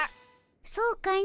そうかの。